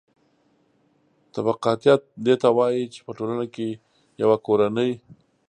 طبقاتیت دې ته وايي چې په ټولنه کې یوه کورنۍ